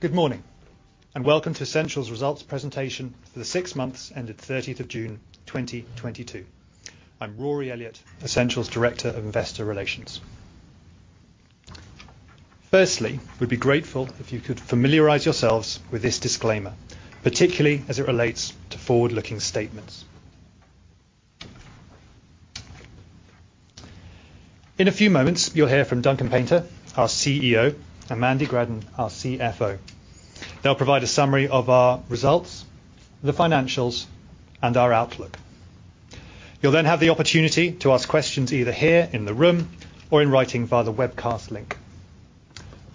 Good morning, and welcome to Ascential's results presentation for the six months ended 30th of June, 2022. I'm Rory Elliott, Ascential's Director of Investor Relations. We'd be grateful if you could familiarize yourselves with this disclaimer, particularly as it relates to forward-looking statements. In a few moments, you'll hear from Duncan Painter, our CEO, and Mandy Gradden, our CFO. They'll provide a summary of our results, the financials, and our outlook. You'll then have the opportunity to ask questions either here in the room or in writing via the webcast link.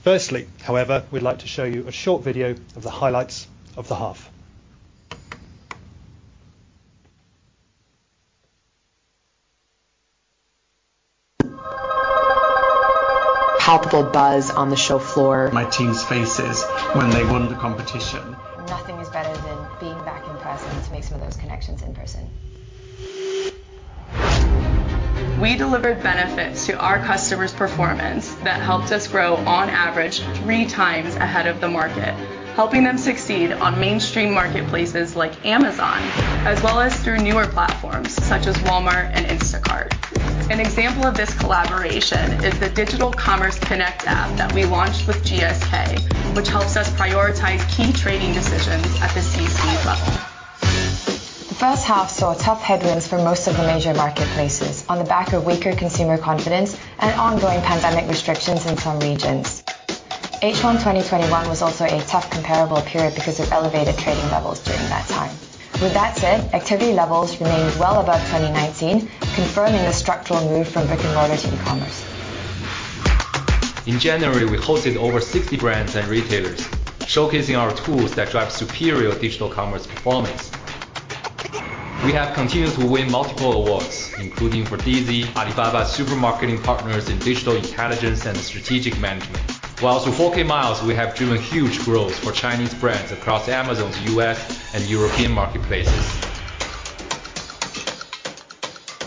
Firstly, however, we'd like to show you a short video of the highlights of the half. Palpable buzz on the show floor. My team's faces when they won the competition. Nothing is better than being back in person to make some of those connections in person. We delivered benefits to our customers' performance that helped us grow on average 3 times ahead of the market, helping them succeed on mainstream marketplaces like Amazon, as well as through newer platforms such as Walmart and Instacart. An example of this collaboration is the Digital Commerce Connect app that we launched with GSK, which helps us prioritize key trading decisions at the SKU level. The first half saw tough headwinds for most of the major marketplaces on the back of weaker consumer confidence and ongoing pandemic restrictions in some regions. H1 2021 was also a tough comparable period because of elevated trading levels during that time. With that said, activity levels remained well above 2019, confirming the structural move from brick and mortar to e-commerce. In January, we hosted over 60 brands and retailers, showcasing our tools that drive superior digital commerce performance. We have continued to win multiple awards, including for DZ, Alibaba Super Marketing Partners in Digital Intelligence and Strategic Management. While through 4K Miles, we have driven huge growth for Chinese brands across Amazon's U.S. and European marketplaces.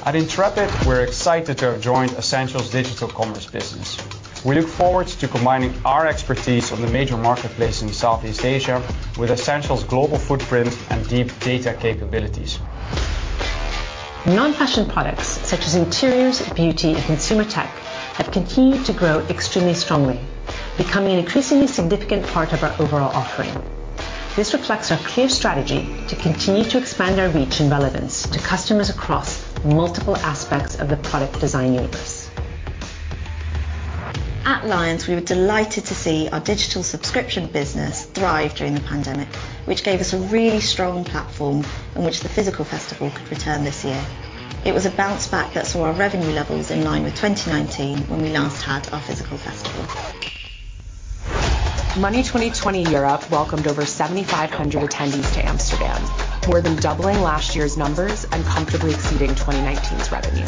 At Intrepid, we're excited to have joined Ascential's digital commerce business. We look forward to combining our expertise on the major marketplace in Southeast Asia with Ascential's global footprint and deep data capabilities. Non-fashion products such as interiors, beauty, and consumer tech have continued to grow extremely strongly, becoming an increasingly significant part of our overall offering. This reflects our clear strategy to continue to expand our reach and relevance to customers across multiple aspects of the product design universe. At Lions, we were delighted to see our digital subscription business thrive during the pandemic, which gave us a really strong platform in which the physical festival could return this year. It was a bounce back that saw our revenue levels in line with 2019 when we last had our physical festival. Money20/20 Europe welcomed over 7,500 attendees to Amsterdam, more than doubling last year's numbers and comfortably exceeding 2019's revenue.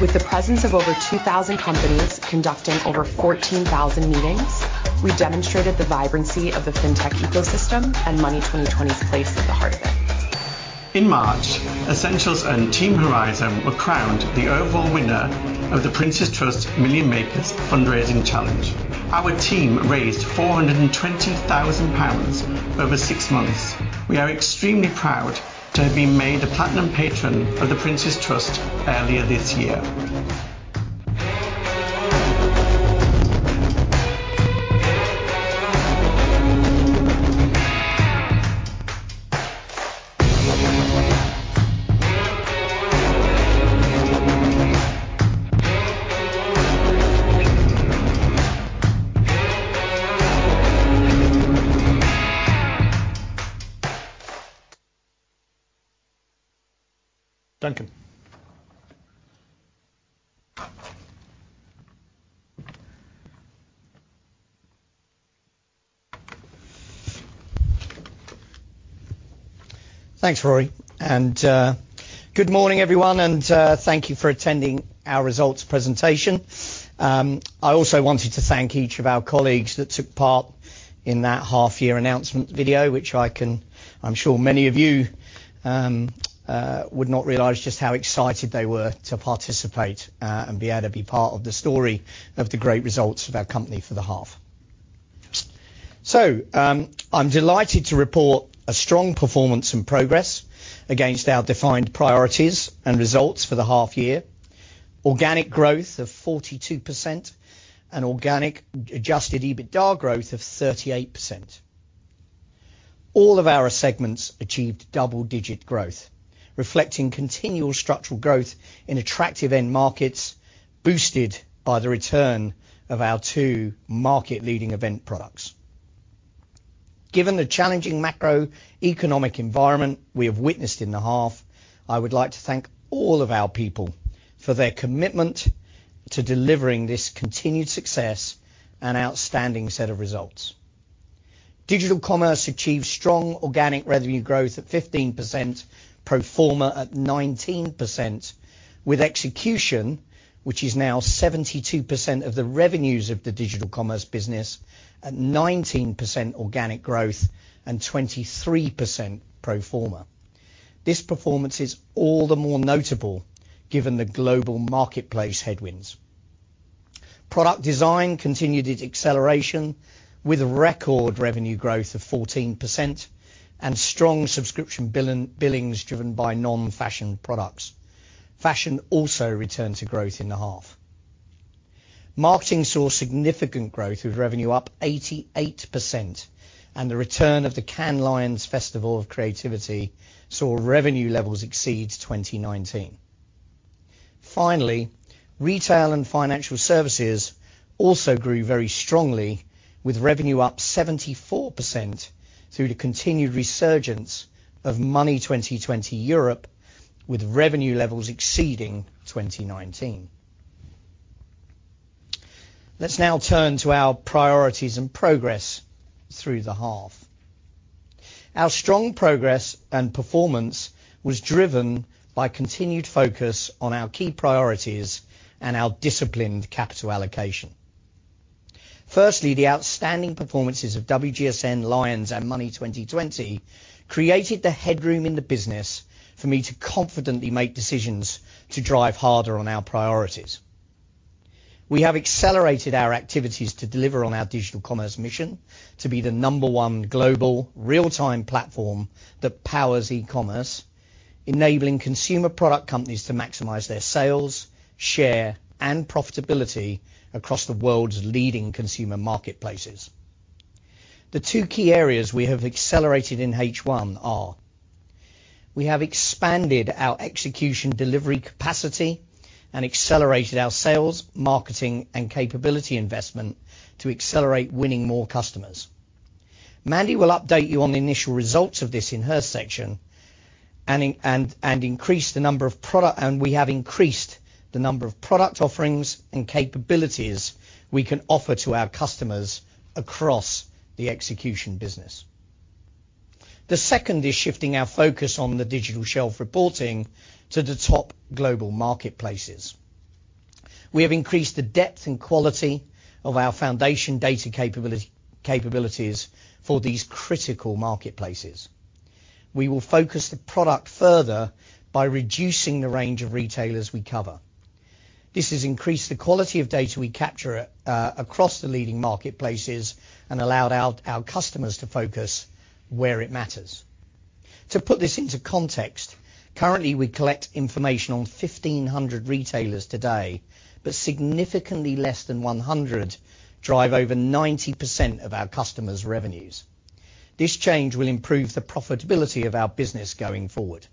With the presence of over 2,000 companies conducting over 14,000 meetings, we demonstrated the vibrancy of the fintech ecosystem and Money20/20's place at the heart of it. In March, Ascential's own Team Horizon were crowned the overall winner of The Prince's Trust Million Makers Fundraising Challenge. Our team raised 420,000 pounds over six months. We are extremely proud to have been made a platinum patron of The Prince's Trust earlier this year. Thanks, Rory. Good morning, everyone, and thank you for attending our results presentation. I also wanted to thank each of our colleagues that took part in that half year announcement video. I'm sure many of you would not realize just how excited they were to participate and be able to be part of the story of the great results of our company for the half. I'm delighted to report a strong performance and progress against our defined priorities and results for the half year. Organic growth of 42% and organic adjusted EBITDA growth of 38%. All of our segments achieved double-digit growth, reflecting continual structural growth in attractive end markets, boosted by the return of our two market-leading event products. Given the challenging macroeconomic environment we have witnessed in the half, I would like to thank all of our people for their commitment to delivering this continued success and outstanding set of results. Digital Commerce achieved strong organic revenue growth at 15%, pro forma at 19%, with execution, which is now 72% of the revenues of the Digital Commerce business at 19% organic growth and 23% pro forma. This performance is all the more notable given the global marketplace headwinds. Product Design continued its acceleration with a record revenue growth of 14% and strong subscription billings driven by non-fashion products. Fashion also returned to growth in the half. Marketing saw significant growth, with revenue up 88% and the return of the Cannes Lions Festival of Creativity saw revenue levels exceed 2019. Finally, retail and financial services also grew very strongly, with revenue up 74% through the continued resurgence of Money20/20 Europe, with revenue levels exceeding 2019. Let's now turn to our priorities and progress through the half. Our strong progress and performance was driven by continued focus on our key priorities and our disciplined capital allocation. Firstly, the outstanding performances of WGSN, Lions and Money20/20 created the headroom in the business for me to confidently make decisions to drive harder on our priorities. We have accelerated our activities to deliver on our digital commerce mission to be the number one global real-time platform that powers e-commerce, enabling consumer product companies to maximize their sales, share, and profitability across the world's leading consumer marketplaces. The two key areas we have accelerated in H1 are. We have expanded our execution delivery capacity and accelerated our sales, marketing, and capability investment to accelerate winning more customers. Mandy will update you on the initial results of this in her section, and we have increased the number of product offerings and capabilities we can offer to our customers across the execution business. The second is shifting our focus on the Digital Shelf reporting to the top global marketplaces. We have increased the depth and quality of our foundation data capabilities for these critical marketplaces. We will focus the product further by reducing the range of retailers we cover. This has increased the quality of data we capture across the leading marketplaces and allowed our customers to focus where it matters. To put this into context, currently we collect information on 1,500 retailers today, but significantly less than 100 drive over 90% of our customers' revenues. This change will improve the profitability of our business going forward.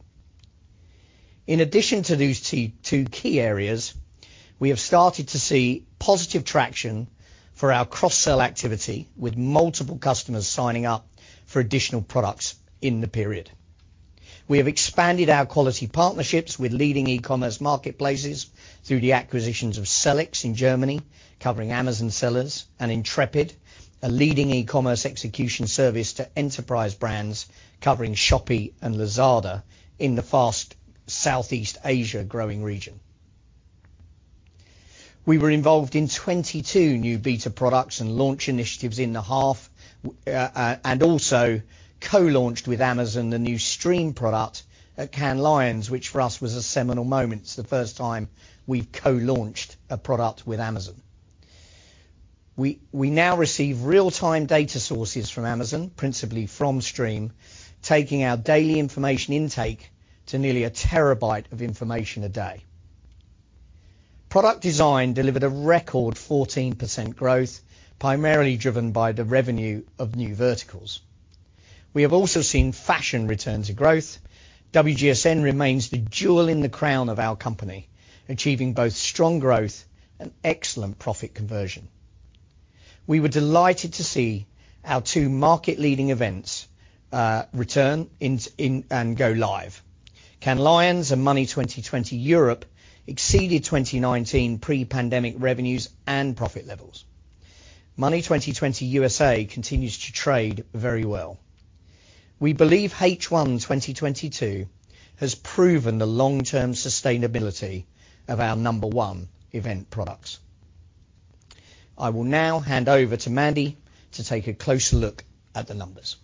In addition to these two key areas, we have started to see positive traction for our cross-sell activity with multiple customers signing up for additional products in the period. We have expanded our quality partnerships with leading e-commerce marketplaces through the acquisitions of Sellics in Germany, covering Amazon sellers, and Intrepid, a leading e-commerce execution service to enterprise brands covering Shopee and Lazada in the fast-growing Southeast Asia region. We were involved in 22 new beta products and launch initiatives in the half, and also co-launched with Amazon the new Stream product at Cannes Lions, which for us was a seminal moment. It's the first time we've co-launched a product with Amazon. We now receive real-time data sources from Amazon, principally from Stream, taking our daily information intake to nearly a terabyte of information a day. Product design delivered a record 14% growth, primarily driven by the revenue of new verticals. We have also seen fashion return to growth. WGSN remains the jewel in the crown of our company, achieving both strong growth and excellent profit conversion. We were delighted to see our two market-leading events return and go live. Cannes Lions and Money20/20 Europe exceeded 2019 pre-pandemic revenues and profit levels. Money20/20 USA continues to trade very well. We believe H1 2022 has proven the long-term sustainability of our number one event products. I will now hand over to Mandy to take a closer look at the numbers.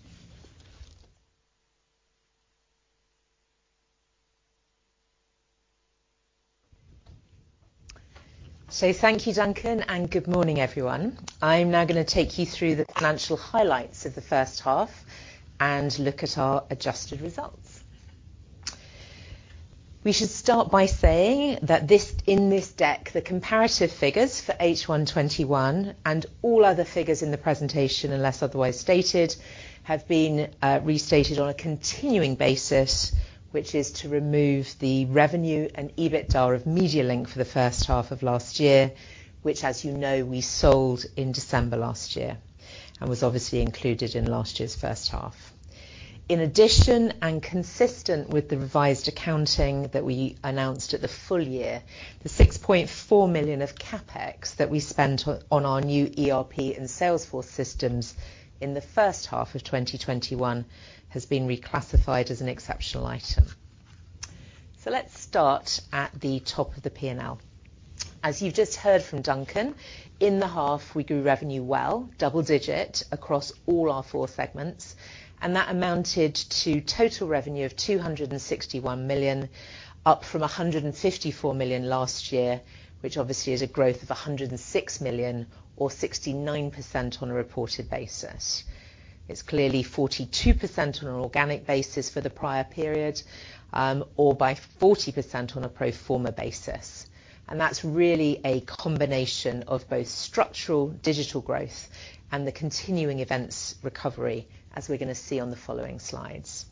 Thank you, Duncan, and good morning, everyone. I'm now gonna take you through the financial highlights of the first half and look at our adjusted results. We should start by saying that in this deck, the comparative figures for H1 2021 and all other figures in the presentation, unless otherwise stated, have been restated on a continuing basis, which is to remove the revenue and EBITDA of MediaLink for the first half of last year, which, as you know, we sold in December last year, and was obviously included in last year's first half. In addition, and consistent with the revised accounting that we announced at the full year, the 6.4 million of CapEx that we spent on our new ERP and Salesforce systems in the first half of 2021 has been reclassified as an exceptional item. Let's start at the top of the P&L. As you've just heard from Duncan, in the half, we grew revenue well double digit across all our four segments, and that amounted to total revenue of 261 million, up from 154 million last year, which obviously is a growth of 106 million or 69% on a reported basis. It's clearly 42% on an organic basis for the prior period, or by 40% on a pro forma basis. That's really a combination of both structural digital growth and the continuing events recovery, as we're gonna see on the following slides.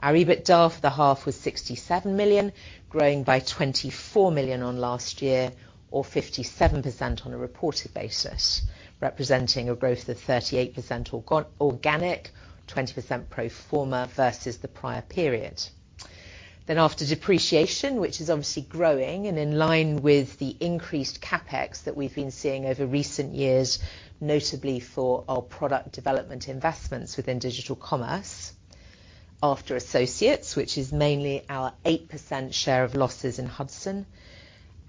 Our EBITDA for the half was 67 million, growing by 24 million on last year or 57% on a reported basis, representing a growth of 38% organic, 20% pro forma versus the prior period. After depreciation, which is obviously growing and in line with the increased CapEx that we've been seeing over recent years, notably for our product development investments within digital commerce. After associates, which is mainly our 8% share of losses in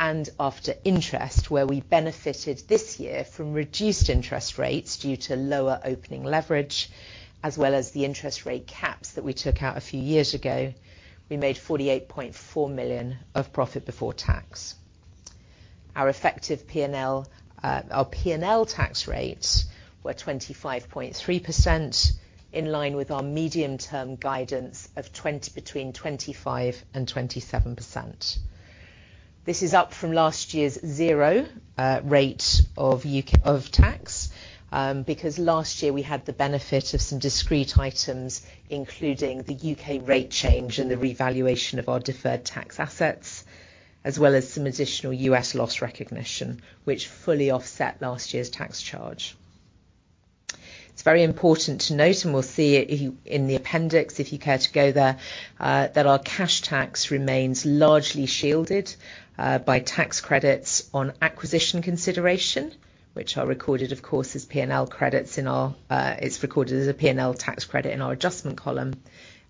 Hudson. After interest, where we benefited this year from reduced interest rates due to lower opening leverage, as well as the interest rate caps that we took out a few years ago, we made 48.4 million of profit before tax. Our effective P&L, our P&L tax rates were 25.3% in line with our medium-term guidance of between 25% and 27%. This is up from last year's 0% rate of U.K. tax, because last year we had the benefit of some discrete items, including the U.K. rate change and the revaluation of our deferred tax assets, as well as some additional U.S. loss recognition, which fully offset last year's tax charge. It's very important to note, and we'll see it in the appendix, if you care to go there, that our cash tax remains largely shielded by tax credits on acquisition consideration, which are recorded, of course, as a P&L tax credit in our adjustment column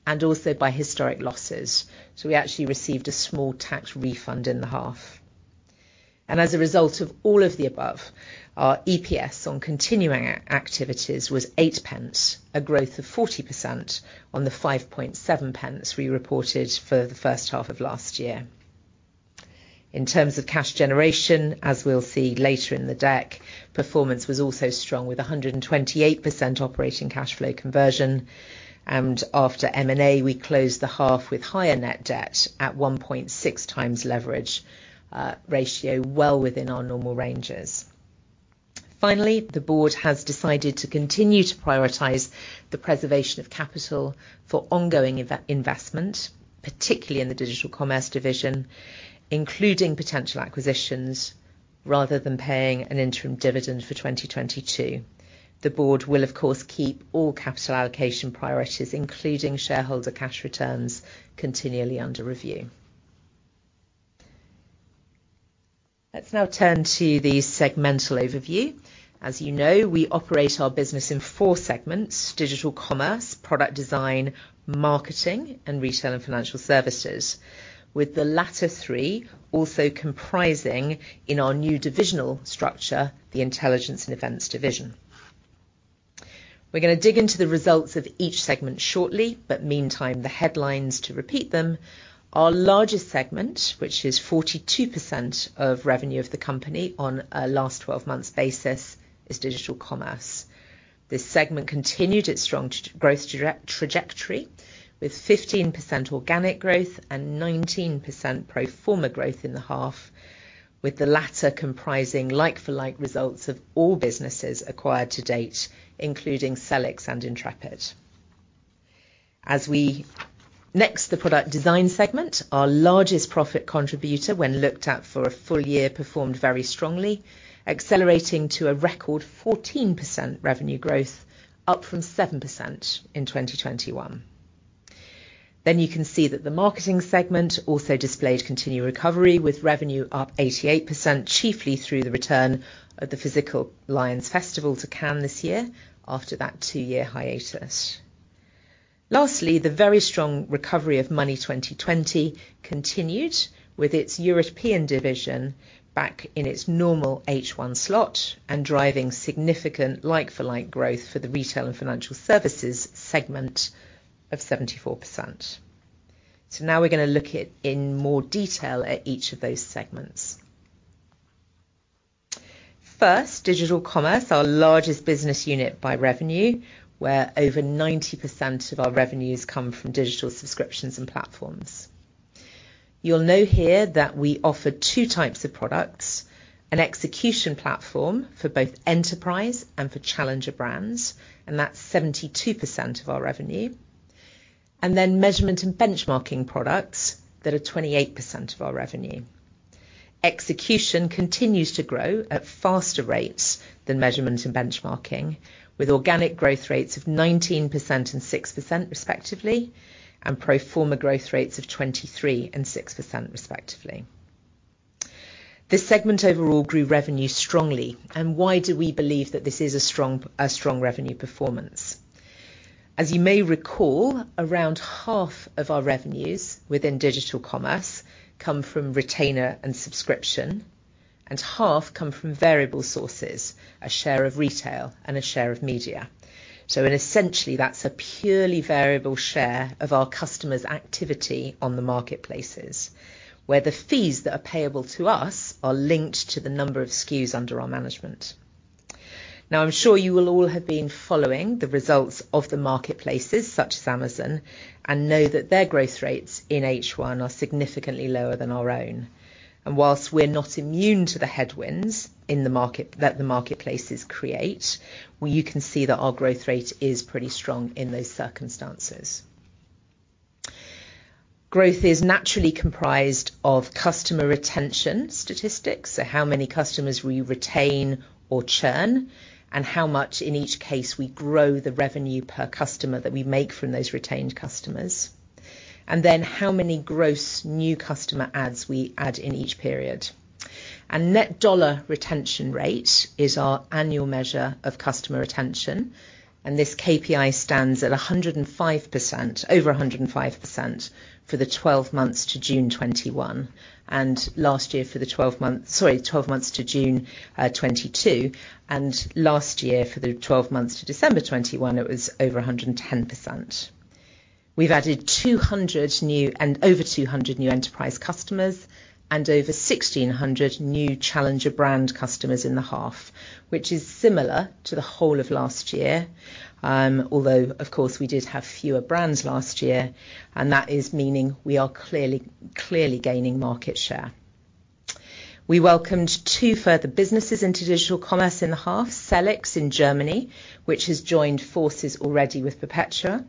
and also by historic losses. We actually received a small tax refund in the half. As a result of all of the above, our EPS on continuing activities was 0.08, a growth of 40% on the 0.057 we reported for the first half of last year. In terms of cash generation, as we'll see later in the deck, performance was also strong with 128% operating cash flow conversion. After M&A, we closed the half with higher net debt at 1.6x leverage ratio, well within our normal ranges. Finally, the board has decided to continue to prioritize the preservation of capital for ongoing investment, particularly in the digital commerce division, including potential acquisitions, rather than paying an interim dividend for 2022. The board will, of course, keep all capital allocation priorities, including shareholder cash returns, continually under review. Let's now turn to the segmental overview. As you know, we operate our business in four segments: digital commerce, product design, marketing, and retail and financial services, with the latter three also comprising, in our new divisional structure, the intelligence and events division. We're gonna dig into the results of each segment shortly, but meantime, the headlines to repeat them. Our largest segment, which is 42% of revenue of the company on a last twelve months basis, is digital commerce. This segment continued its strong growth trajectory with 15% organic growth and 19% pro forma growth in the half, with the latter comprising like-for-like results of all businesses acquired to date, including Sellics and Intrepid. Next, the product design segment, our largest profit contributor when looked at for a full year, performed very strongly, accelerating to a record 14% revenue growth, up from 7% in 2021. You can see that the marketing segment also displayed continued recovery, with revenue up 88%, chiefly through the return of the physical Lions Festival to Cannes this year after that 2-year hiatus. Lastly, the very strong recovery of Money20/20 continued, with its European division back in its normal H1 slot and driving significant like-for-like growth for the retail and financial services segment of 74%. Now we're gonna look in more detail at each of those segments. First, digital commerce, our largest business unit by revenue, where over 90% of our revenues come from digital subscriptions and platforms. You'll know here that we offer two types of products, an execution platform for both enterprise and for challenger brands, and that's 72% of our revenue, and then measurement and benchmarking products that are 28% of our revenue. Execution continues to grow at faster rates than measurement and benchmarking, with organic growth rates of 19% and 6% respectively, and pro forma growth rates of 23% and 6% respectively. This segment overall grew revenue strongly. Why do we believe that this is a strong revenue performance? As you may recall, around half of our revenues within digital commerce come from retainer and subscription, and half come from variable sources, a share of retail and a share of media. Essentially, that's a purely variable share of our customers' activity on the marketplaces, where the fees that are payable to us are linked to the number of SKUs under our management. Now, I'm sure you will all have been following the results of the marketplaces such as Amazon and know that their growth rates in H1 are significantly lower than our own. While we're not immune to the headwinds in the market that the marketplaces create, well, you can see that our growth rate is pretty strong in those circumstances. Growth is naturally comprised of customer retention statistics, so how many customers we retain or churn, and how much in each case we grow the revenue per customer that we make from those retained customers, and then how many gross new customer adds we add in each period. Net dollar retention rate is our annual measure of customer retention, and this KPI stands at 105% -- over 105% for the twelve months to June 2022. Last year for the twelve months to December 2021, it was over 110%. We've added 200 new... Over 200 new enterprise customers and over 1,600 new challenger brand customers in the half, which is similar to the whole of last year. Although of course, we did have fewer brands last year, and that is meaning we are clearly gaining market share. We welcomed two further businesses into digital commerce in the half, Sellics in Germany, which has joined forces already with Perpetua,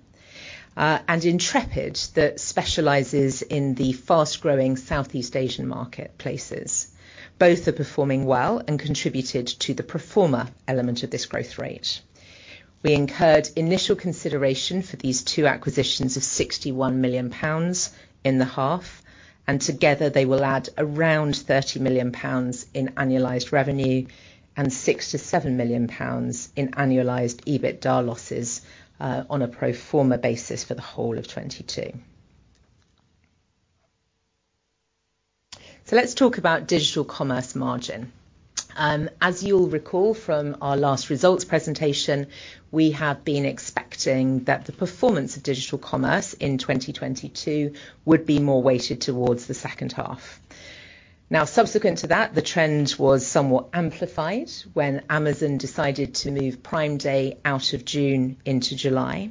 and Intrepid, that specializes in the fast-growing Southeast Asian marketplaces. Both are performing well and contributed to the pro forma element of this growth rate. We incurred initial consideration for these two acquisitions of 61 million pounds in the half, and together they will add around 30 million pounds in annualized revenue and 67 million pounds in annualized EBITDA losses, on a pro forma basis for the whole of 2022. Let's talk about digital commerce margin. As you'll recall from our last results presentation, we have been expecting that the performance of digital commerce in 2022 would be more weighted towards the second half. Now, subsequent to that, the trend was somewhat amplified when Amazon decided to move Prime Day out of June into July,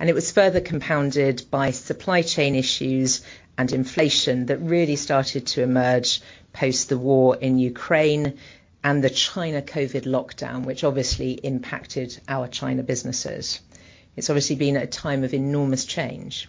and it was further compounded by supply chain issues and inflation that really started to emerge post the war in Ukraine and the China COVID lockdown, which obviously impacted our China businesses. It's obviously been a time of enormous change.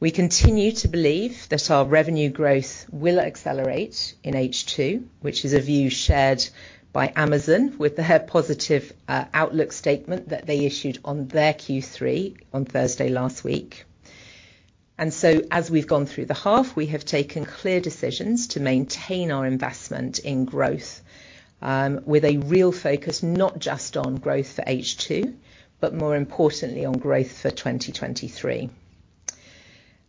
We continue to believe that our revenue growth will accelerate in H2, which is a view shared by Amazon with the positive outlook statement that they issued on their Q3 on Thursday last week. As we've gone through the half, we have taken clear decisions to maintain our investment in growth, with a real focus, not just on growth for H2, but more importantly on growth for 2023.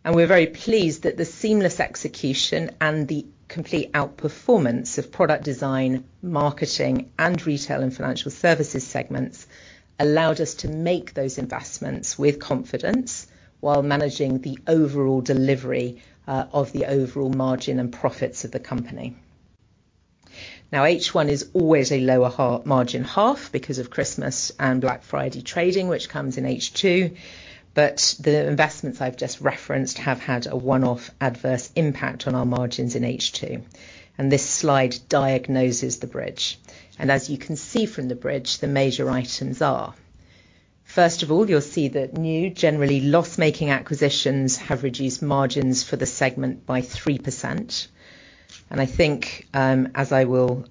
We're very pleased that the seamless execution and the complete outperformance of product design, marketing, and retail and financial services segments allowed us to make those investments with confidence while managing the overall delivery of the overall margin and profits of the company. H1 is always a lower-margin half because of Christmas and Black Friday trading, which comes in H2, but the investments I've just referenced have had a one-off adverse impact on our margins in H2. This slide diagnoses the bridge. As you can see from the bridge, the major items are: First of all, you'll see that new, generally loss-making acquisitions have reduced margins for the segment by 3%. I think, as I will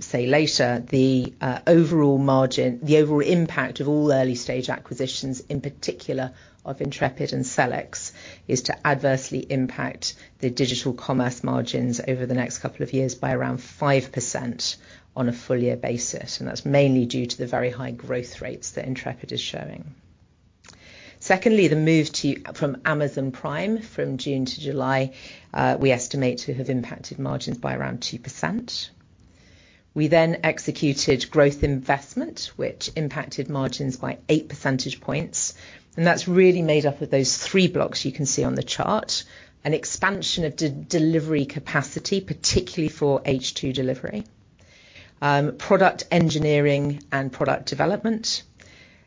say later, the overall margin, the overall impact of all early-stage acquisitions, in particular of Intrepid and Sellics, is to adversely impact the digital commerce margins over the next couple of years by around 5% on a full year basis. That's mainly due to the very high growth rates that Intrepid is showing. Secondly, the move of Amazon Prime from June to July, we estimate to have impacted margins by around 2%. We then executed growth investment, which impacted margins by eight percentage points, and that's really made up of those three blocks you can see on the chart. An expansion of delivery capacity, particularly for H2 delivery, product engineering and product development,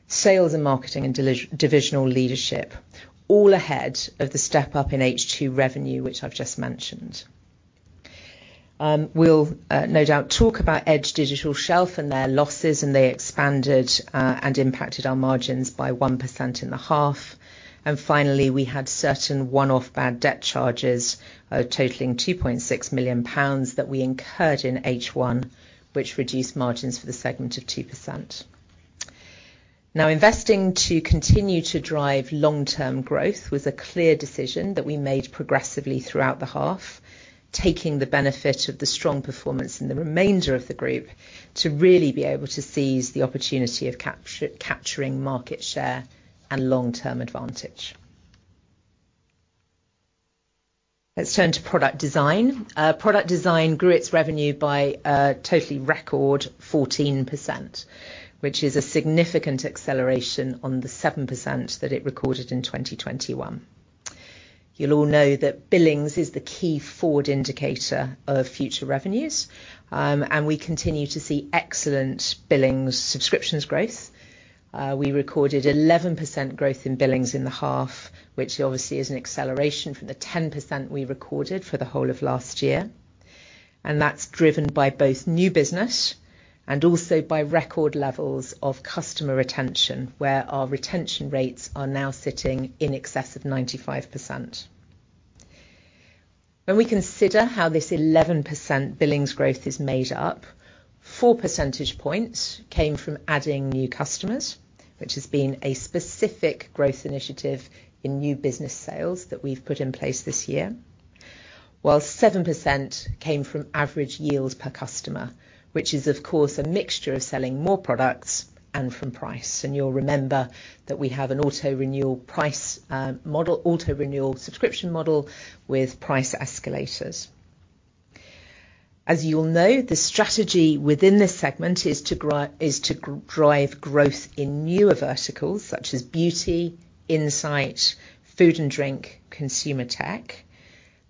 sales and marketing and divisional leadership, all ahead of the step-up in H2 revenue, which I've just mentioned. We'll no doubt talk about Edge Digital Shelf and their losses, and they expanded and impacted our margins by 1% in the half. Finally, we had certain one-off bad debt charges totaling 2.6 million pounds that we incurred in H1, which reduced margins for the segment by 2%. Investing to continue to drive long-term growth was a clear decision that we made progressively throughout the half, taking the benefit of the strong performance in the remainder of the group to really be able to seize the opportunity of capturing market share and long-term advantage. Let's turn to product design. Product design grew its revenue by a record 14%, which is a significant acceleration on the 7% that it recorded in 2021. You'll all know that billings is the key forward indicator of future revenues, and we continue to see excellent billings subscriptions growth. We recorded 11% growth in billings in the half, which obviously is an acceleration from the 10% we recorded for the whole of last year, and that's driven by both new business and also by record levels of customer retention, where our retention rates are now sitting in excess of 95%. When we consider how this 11% billings growth is made up, 4 percentage points came from adding new customers, which has been a specific growth initiative in new business sales that we've put in place this year. While 7% came from average yield per customer, which is of course a mixture of selling more products and from price, and you'll remember that we have an auto renewal price model, auto renewal subscription model with price escalators. As you'll know, the strategy within this segment is to drive growth in newer verticals such as beauty, insight, food and drink, consumer tech,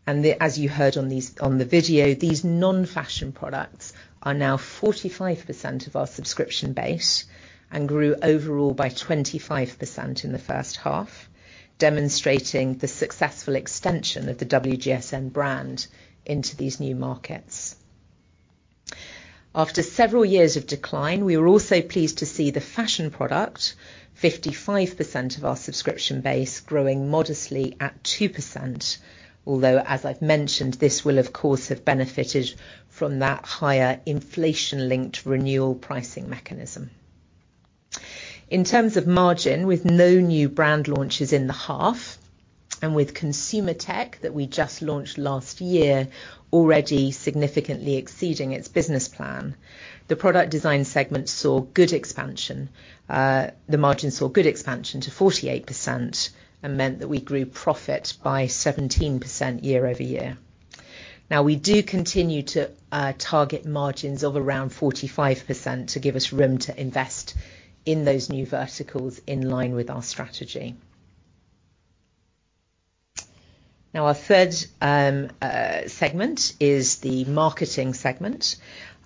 and as you heard on these, on the video, these non-fashion products are now 45% of our subscription base and grew overall by 25% in the first half, demonstrating the successful extension of the WGSN brand into these new markets. After several years of decline, we were also pleased to see the fashion product, 55% of our subscription base growing modestly at 2%, although, as I've mentioned, this will of course have benefited from that higher inflation-linked renewal pricing mechanism. In terms of margin, with no new brand launches in the half and with consumer tech that we just launched last year already significantly exceeding its business plan, the product design segment saw good expansion. The margin saw good expansion to 48% and meant that we grew profit by 17% year-over-year. Now, we do continue to target margins of around 45% to give us room to invest in those new verticals in line with our strategy. Now, our third segment is the marketing segment,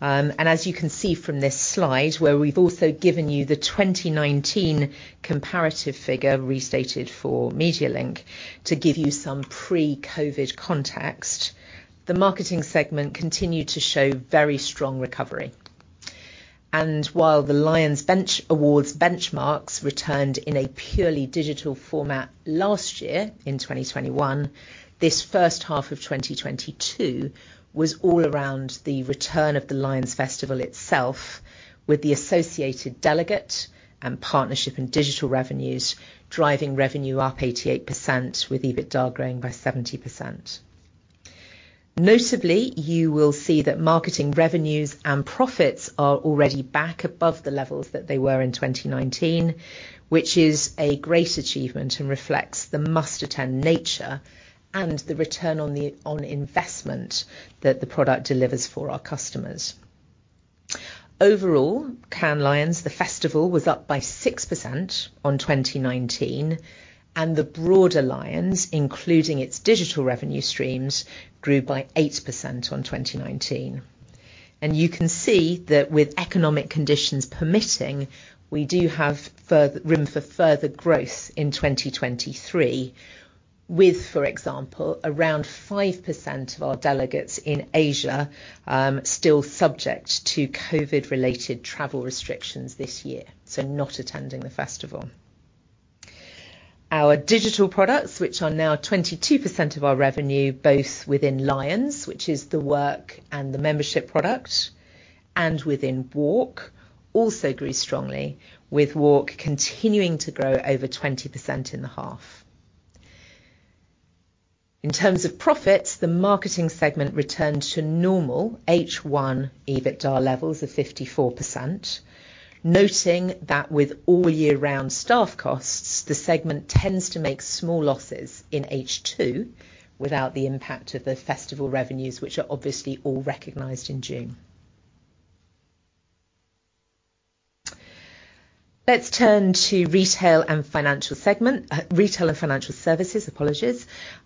and as you can see from this slide where we've also given you the 2019 comparative figure restated for MediaLink to give you some pre-COVID context, the marketing segment continued to show very strong recovery. While the Lions Bench Awards benchmarks returned in a purely digital format last year in 2021, this first half of 2022 was all around the return of the Lions Festival itself with the associated delegate and partnership and digital revenues driving revenue up 88% with EBITDA growing by 70%. Notably, you will see that marketing revenues and profits are already back above the levels that they were in 2019, which is a great achievement and reflects the must-attend nature and the return on the investment that the product delivers for our customers. Overall, Cannes Lions, the festival, was up by 6% on 2019, and the broader Lions, including its digital revenue streams, grew by 8% on 2019. You can see that with economic conditions permitting, we do have further room for further growth in 2023 with, for example, around 5% of our delegates in Asia still subject to COVID-related travel restrictions this year, so not attending the festival. Our digital products, which are now 22% of our revenue, both within Lions, which is the work and the membership product, and within WARC, also grew strongly, with WARC continuing to grow over 20% in the half. In terms of profits, the marketing segment returned to normal H1 EBITDA levels of 54%. Noting that with all year-round staff costs, the segment tends to make small losses in H2 without the impact of the festival revenues, which are obviously all recognized in June. Let's turn to retail and financial services,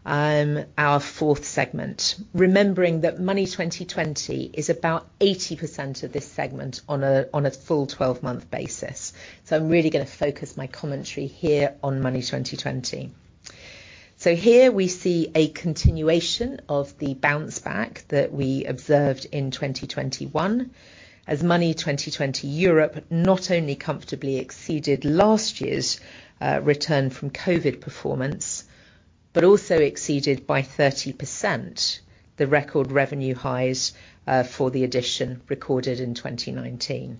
our fourth segment. Remembering that Money20/20 is about 80% of this segment on a full twelve-month basis. I'm really gonna focus my commentary here on Money20/20. Here we see a continuation of the bounce back that we observed in 2021 as Money20/20 Europe not only comfortably exceeded last year's return from COVID performance but also exceeded by 30% the record revenue highs for the edition recorded in 2019.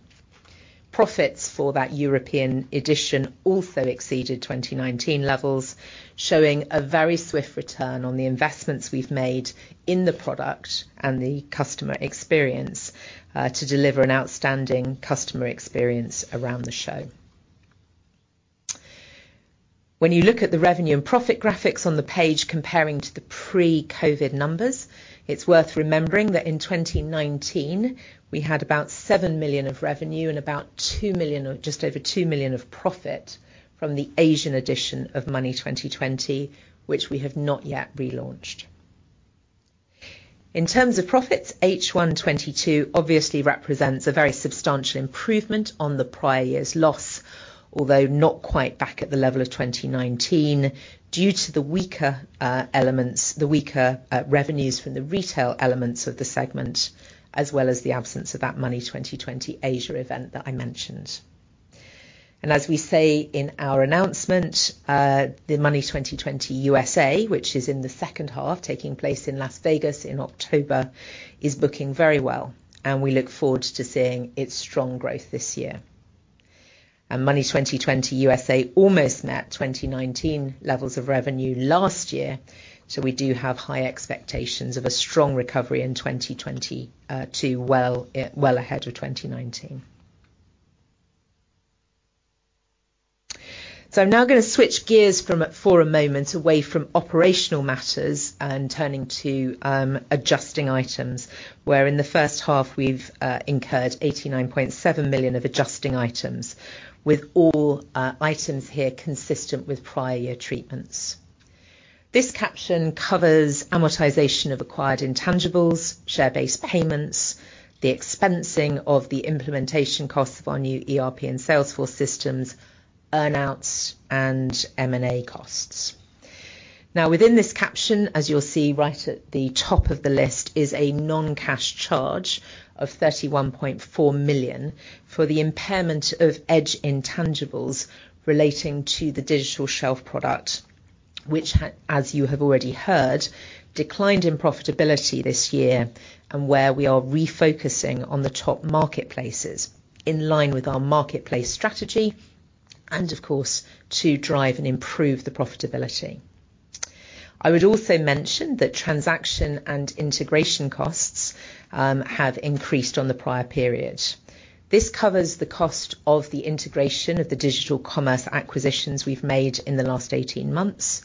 Profits for that European edition also exceeded 2019 levels, showing a very swift return on the investments we've made in the product and the customer experience to deliver an outstanding customer experience around the show. When you look at the revenue and profit graphics on the page comparing to the pre-COVID numbers, it's worth remembering that in 2019 we had about 7 million of revenue and about 2 million or just over 2 million of profit from the Asian edition of Money20/20, which we have not yet relaunched. In terms of profits, H1 2022 obviously represents a very substantial improvement on the prior year's loss, although not quite back at the level of 2019, due to the weaker revenues from the retail elements of the segment, as well as the absence of that Money20/20 Asia event that I mentioned. As we say in our announcement, the Money20/20 USA, which is in the second half taking place in Las Vegas in October, is looking very well, and we look forward to seeing its strong growth this year. Money20/20 USA almost met 2019 levels of revenue last year, so we do have high expectations of a strong recovery in 2020 to well ahead of 2019. I'm now gonna switch gears from, for a moment away from operational matters and turning to adjusting items, where in the first half we've incurred 89.7 million of adjusting items, with all items here consistent with prior year treatments. This caption covers amortization of acquired intangibles, share-based payments, the expensing of the implementation costs of our new ERP and Salesforce systems, earn-outs and M&A costs. Now, within this caption, as you'll see right at the top of the list, is a non-cash charge of 31.4 million for the impairment of Edge intangibles relating to the Digital Shelf product, which had, as you have already heard, declined in profitability this year, and where we are refocusing on the top marketplaces in line with our marketplace strategy and of course to drive and improve the profitability. I would also mention that transaction and integration costs have increased on the prior period. This covers the cost of the integration of the digital commerce acquisitions we've made in the last 18 months,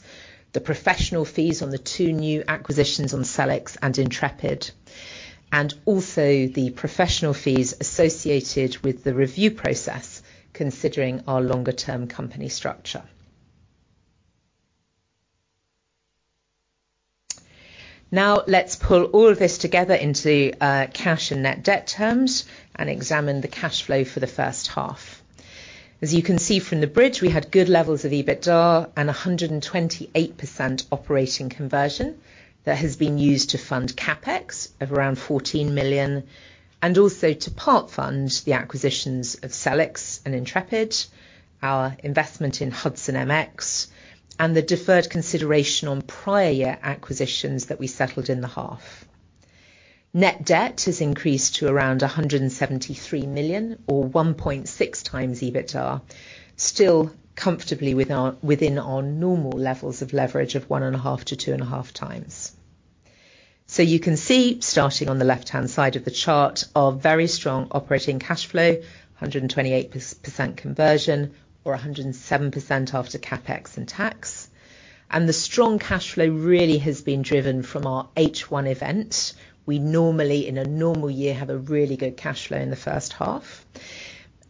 the professional fees on the two new acquisitions on Sellics and Intrepid, and also the professional fees associated with the review process considering our longer-term company structure. Now let's pull all of this together into cash and net debt terms and examine the cash flow for the first half. As you can see from the bridge, we had good levels of EBITDA and 128% operating conversion that has been used to fund CapEx of around 14 million, and also to part-fund the acquisitions of Sellics and Intrepid, our investment in Hudson MX, and the deferred consideration on prior year acquisitions that we settled in the half. Net debt has increased to around 173 million or 1.6 times EBITDA, still comfortably within our normal levels of leverage of 1.5 to 2.5 times. You can see starting on the left-hand side of the chart, our very strong operating cash flow, 128% conversion or 107% after CapEx and tax. The strong cash flow really has been driven from our H1 event. We normally in a normal year have a really good cash flow in the first half,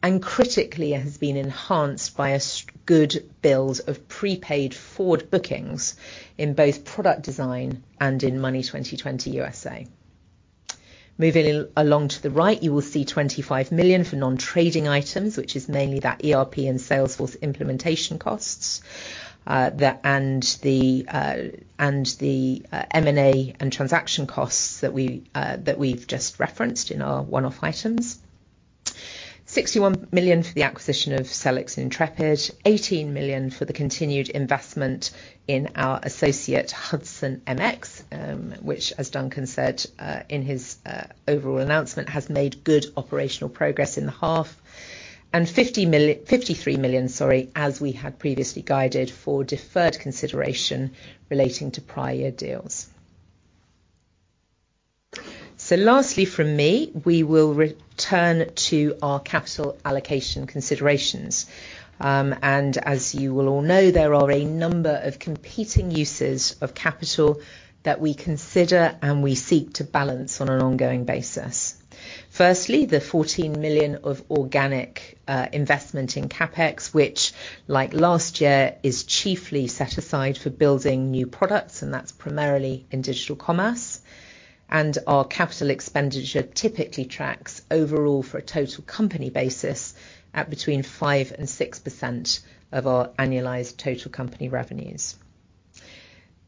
and critically it has been enhanced by a good build-up of prepaid forward bookings in both product design and in Money20/20 USA. Moving along to the right, you will see 25 million for non-trading items, which is mainly the ERP and Salesforce implementation costs and the M&A and transaction costs that we've just referenced in our one-off items. 61 million for the acquisition of Sellics and Intrepid. 18 million for the continued investment in our associate Hudson MX, which, as Duncan said, in his overall announcement, has made good operational progress in the half. Fifty-three million, sorry, as we had previously guided for deferred consideration relating to prior year deals. Lastly from me, we will return to our capital allocation considerations. As you will all know, there are a number of competing uses of capital that we consider and we seek to balance on an ongoing basis. Firstly, the 14 million of organic investment in CapEx, which like last year, is chiefly set aside for building new products, and that's primarily in digital commerce. Our capital expenditure typically tracks overall for a total company basis at between 5% and 6% of our annualized total company revenues.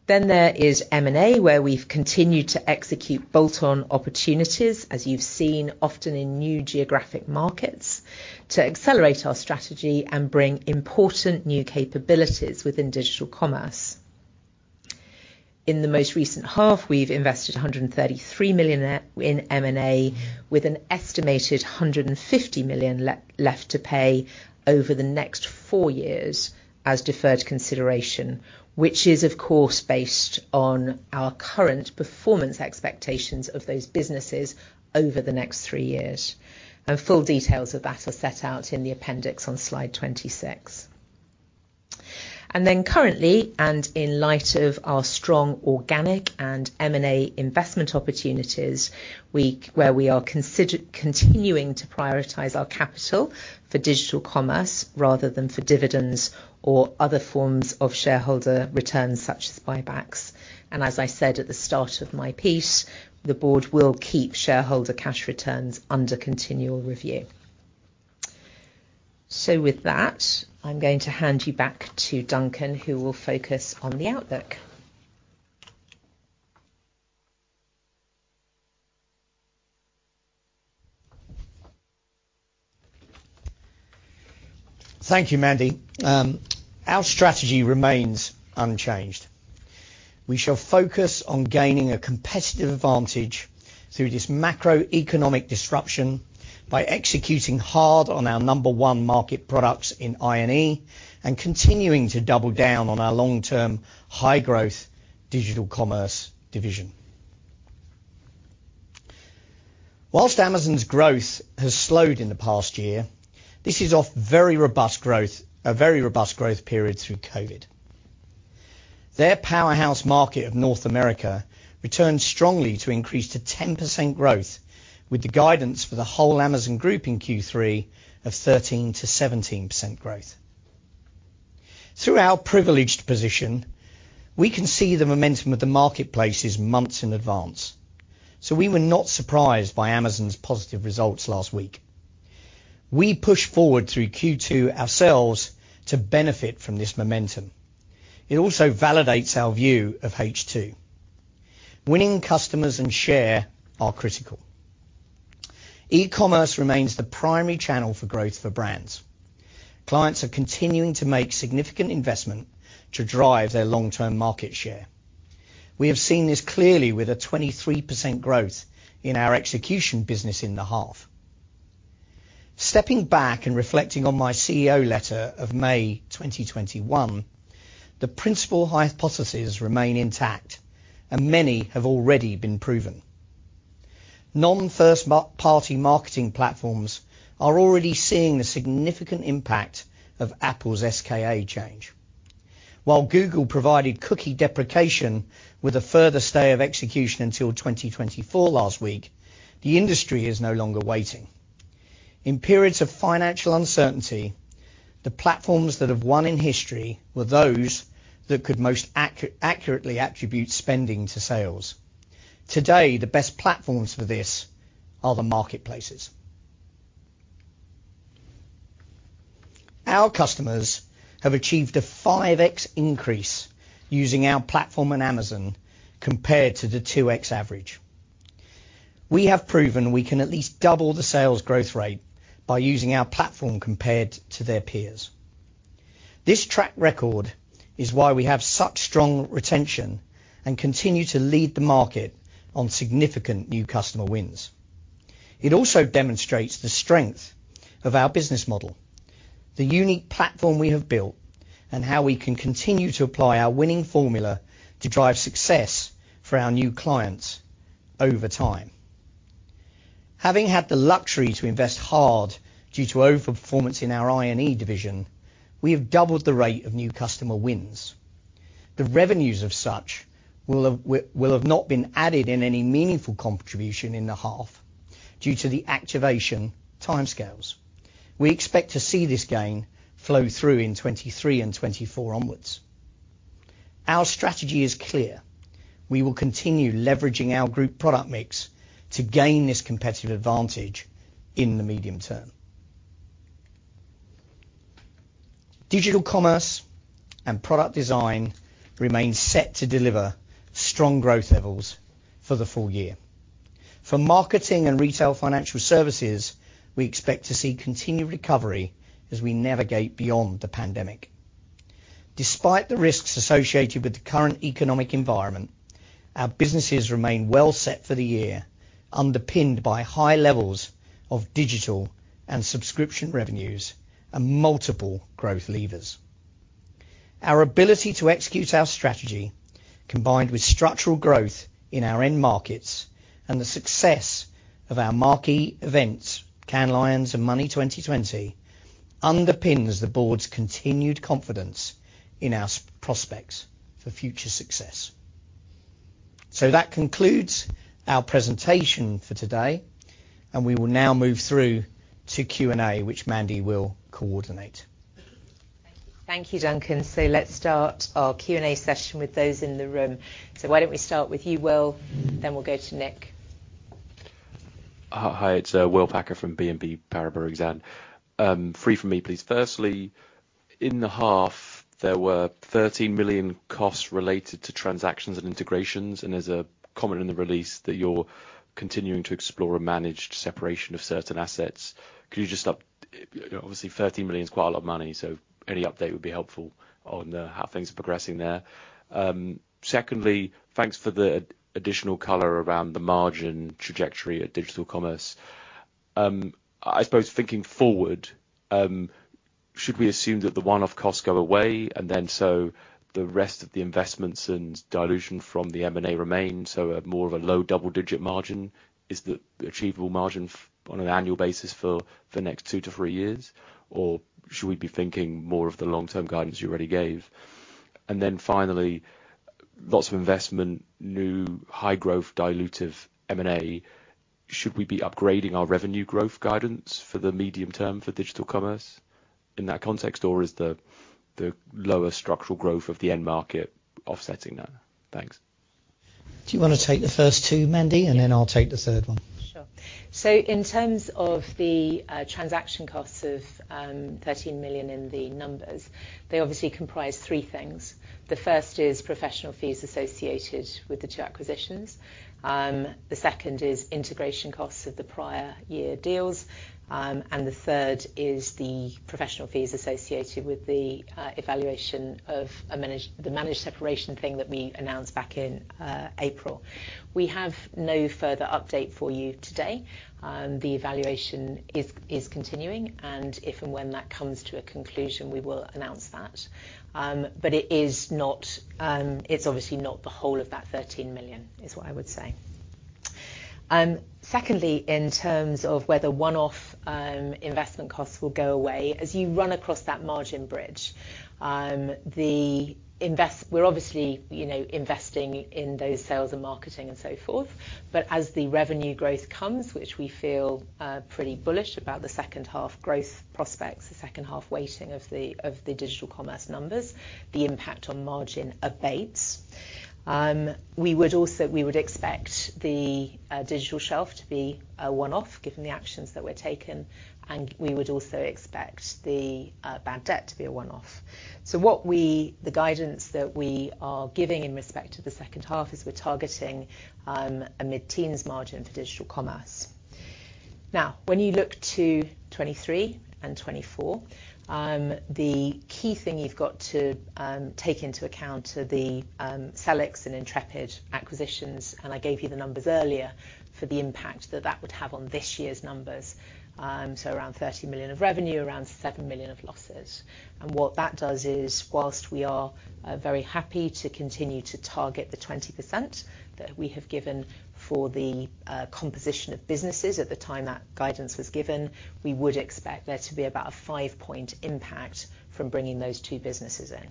There is M&A, where we've continued to execute bolt-on opportunities, as you've seen often in new geographic markets, to accelerate our strategy and bring important new capabilities within digital commerce. In the most recent half, we've invested 133 million in M&A with an estimated 150 million left to pay over the next four years as deferred consideration, which is, of course, based on our current performance expectations of those businesses over the next three years. Full details of that are set out in the appendix on Slide 26. Currently, and in light of our strong organic and M&A investment opportunities, we are continuing to prioritize our capital for digital commerce rather than for dividends or other forms of shareholder returns such as buybacks. As I said at the start of my piece, the board will keep shareholder cash returns under continual review. With that, I'm going to hand you back to Duncan, who will focus on the outlook. Thank you, Mandy. Our strategy remains unchanged. We shall focus on gaining a competitive advantage through this macroeconomic disruption by executing hard on our number one market products in I&E and continuing to double down on our long-term high-growth digital commerce division. While Amazon's growth has slowed in the past year, this is off very robust growth, a very robust growth period through COVID. Their powerhouse market of North America returned strongly to increase to 10% growth, with the guidance for the whole Amazon group in Q3 of 13% to 17% growth. Through our privileged position, we can see the momentum of the marketplaces months in advance, so we were not surprised by Amazon's positive results last week. We pushed forward through Q2 ourselves to benefit from this momentum. It also validates our view of H2. Winning customers and share are critical. E-commerce remains the primary channel for growth for brands. Clients are continuing to make significant investment to drive their long-term market share. We have seen this clearly with a 23% growth in our execution business in the half. Stepping back and reflecting on my CEO letter of May 2021, the principal hypotheses remain intact, and many have already been proven. Non-first-party marketing platforms are already seeing the significant impact of Apple's SKAN change. While Google postponed cookie deprecation with a further stay of execution until 2024 last week, the industry is no longer waiting. In periods of financial uncertainty, the platforms that have won in history were those that could most accurately attribute spending to sales. Today, the best platforms for this are the marketplaces. Our customers have achieved a 5x increase using our platform on Amazon compared to the 2x average. We have proven we can at least double the sales growth rate by using our platform compared to their peers. This track record is why we have such strong retention and continue to lead the market on significant new customer wins. It also demonstrates the strength of our business model, the unique platform we have built, and how we can continue to apply our winning formula to drive success for our new clients over time. Having had the luxury to invest hard due to overperformance in our I&E division, we have doubled the rate of new customer wins. The revenues of such will have not been added in any meaningful contribution in the half due to the activation timescales. We expect to see this gain flow through in 2023 and 2024 onwards. Our strategy is clear. We will continue leveraging our group product mix to gain this competitive advantage in the medium term. Digital commerce and product design remain set to deliver strong growth levels for the full year. For marketing and retail financial services, we expect to see continued recovery as we navigate beyond the pandemic. Despite the risks associated with the current economic environment, our businesses remain well set for the year, underpinned by high levels of digital and subscription revenues and multiple growth levers. Our ability to execute our strategy, combined with structural growth in our end markets and the success of our marquee events, Cannes Lions and Money20/20, underpins the board's continued confidence in our strong prospects for future success. That concludes our presentation for today, and we will now move through to Q&A, which Mandy will coordinate. Thank you, Duncan. Let's start our Q&A session with those in the room. Why don't we start with you, Will, then we'll go to Nick. Hi, it's William Packer from BNP Paribas Exane. Three from me, please. Firstly, in the half, there were 13 million costs related to transactions and integrations, and as a comment in the release that you're continuing to explore a managed separation of certain assets. Could you just update. You know, obviously 30 million is quite a lot of money, so any update would be helpful on how things are progressing there. Secondly, thanks for the additional color around the margin trajectory at digital commerce. I suppose thinking forward, should we assume that the one-off costs go away, and then the rest of the investments and dilution from the M&A remain, so more of a low double-digit margin? Is the achievable margin on an annual basis for the next 2 to 3 years, or should we be thinking more of the long-term guidance you already gave? Finally, lots of investment, new high-growth dilutive M&A, should we be upgrading our revenue growth guidance for the medium term for digital commerce in that context, or is the lower structural growth of the end market offsetting that? Thanks. Do you wanna take the first two, Mandy, and then I'll take the third one? Sure. In terms of the transaction costs of 13 million in the numbers, they obviously comprise three things. The first is professional fees associated with the two acquisitions. The second is integration costs of the prior year deals. The third is the professional fees associated with the evaluation of the managed separation thing that we announced back in April. We have no further update for you today. The evaluation is continuing, and if and when that comes to a conclusion, we will announce that. It is not, it's obviously not the whole of that 13 million, is what I would say. Secondly, in terms of whether one-off investment costs will go away, as you run across that margin bridge, we're obviously, you know, investing in those sales and marketing and so forth, but as the revenue growth comes, which we feel pretty bullish about the second half growth prospects, the second half weighting of the digital commerce numbers, the impact on margin abates. We would also expect the Digital Shelf to be a one-off given the actions that were taken, and we would also expect the bad debt to be a one-off. The guidance that we are giving in respect to the second half is we're targeting a mid-teens margin for digital commerce. Now, when you look to 2023 and 2024, the key thing you've got to take into account are the Sellics and Intrepid acquisitions, and I gave you the numbers earlier for the impact that that would have on this year's numbers. Around 30 million of revenue, around 7 million of losses. What that does is while we are very happy to continue to target the 20% that we have given for the composition of businesses at the time that guidance was given, we would expect there to be about a 5-point impact from bringing those two businesses in.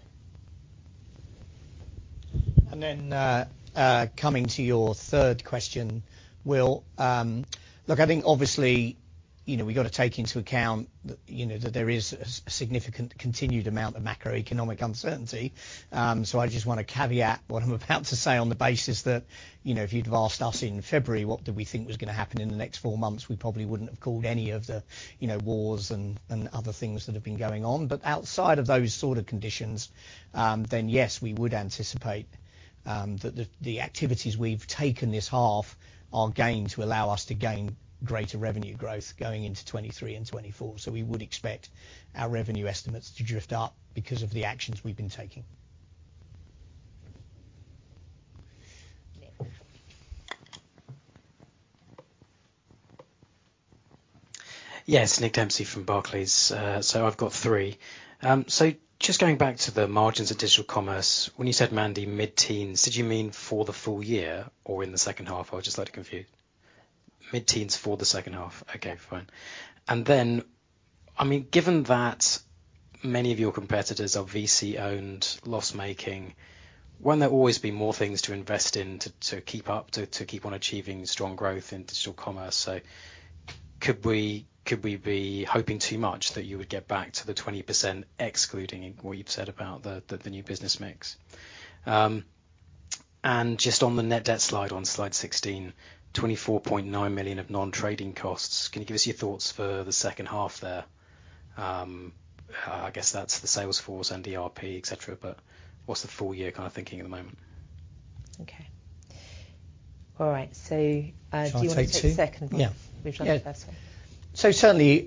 Coming to your third question, Will. Look, I think obviously, you know, we gotta take into account, you know, that there is a significant continued amount of macroeconomic uncertainty. So I just wanna caveat what I'm about to say on the basis that, you know, if you'd have asked us in February what did we think was gonna happen in the next four months, we probably wouldn't have called any of the, you know, wars and other things that have been going on. But outside of those sort of conditions, then, yes, we would anticipate that the activities we've taken this half are going to allow us to gain greater revenue growth going into 2023 and 2024. We would expect our revenue estimates to drift up because of the actions we've been taking. Nick. Yes, Nick Dempsey from Barclays. I've got three. Just going back to the margins of digital commerce. When you said, Mandy, mid-teens, did you mean for the full year or in the second half? I would just like to confirm. Mid-teens for the second half. Okay, fine. I mean, given that many of your competitors are VC-owned loss making, won't there always be more things to invest in to keep up, to keep on achieving strong growth in digital commerce? Could we be hoping too much that you would get back to the 20% excluding what you've said about the new business mix? And just on the net debt slide on Slide 16, 24.9 million of non-trading costs, can you give us your thoughts for the second half there? I guess that's the Salesforce and ERP, et cetera, but what's the full year kinda thinking at the moment? Okay. All right. Do you want to take the second one? Shall I take two? Yeah. Which one's the first one? Certainly,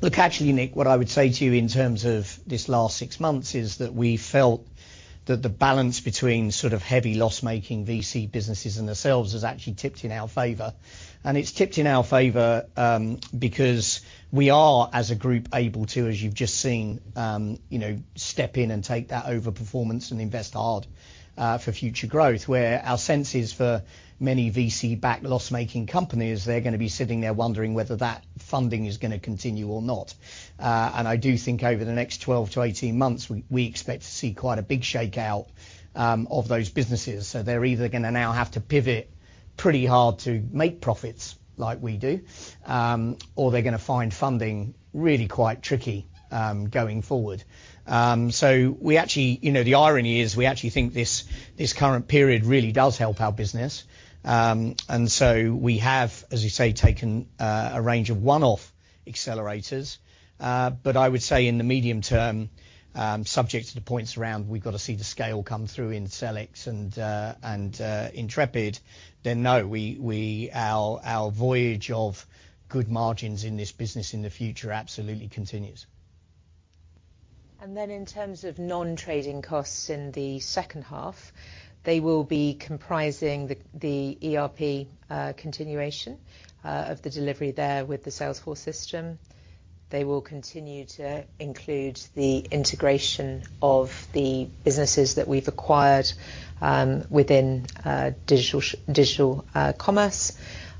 look, actually, Nick, what I would say to you in terms of this last six months is that we felt that the balance between sort of heavy loss-making VC businesses and themselves has actually tipped in our favor. It's tipped in our favor, because we are, as a group, able to, as you've just seen, you know, step in and take that overperformance and invest hard, for future growth. Where our sense is for many VC-backed loss-making companies, they're gonna be sitting there wondering whether that funding is gonna continue or not. I do think over the next 12 to 18 months, we expect to see quite a big shakeout, of those businesses. They're either gonna now have to pivot pretty hard to make profits like we do, or they're gonna find funding really quite tricky, going forward. We actually, you know, the irony is we actually think this current period really does help our business. We have, as you say, taken a range of one-off accelerators. I would say in the medium term, subject to the points around, we've gotta see the scale come through in Sellics and Intrepid, then no, our voyage of good margins in this business in the future absolutely continues. In terms of non-trading costs in the second half, they will be comprising the ERP continuation of the delivery there with the Salesforce system. They will continue to include the integration of the businesses that we've acquired within digital commerce.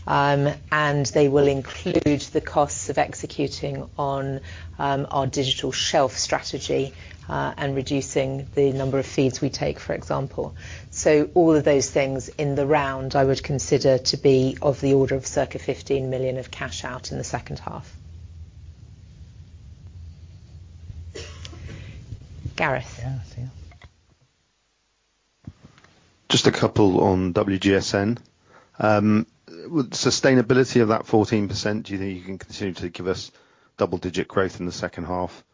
They will include the costs of executing on our Digital Shelf strategy and reducing the number of feeds we take, for example. All of those things in the round I would consider to be of the order of circa 15 million of cash out in the second half. Gareth. Yeah, yeah. Just a couple on WGSN. The sustainability of that 14%, do you think you can continue to give us double-digit growth in the second half?